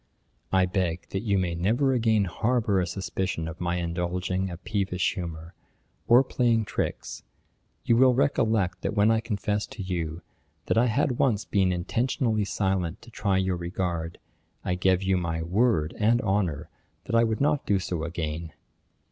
'I beg that you may never again harbour a suspicion of my indulging a peevish humour, or playing tricks; you will recollect that when I confessed to you, that I had once been intentionally silent to try your regard, I gave you my word and honour that I would not do so again.'